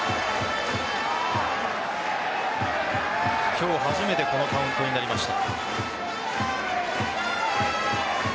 今日初めてこのカウントになりました。